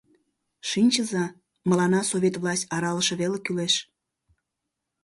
Шинчыза: мыланна Совет власть аралыше веле кӱлеш...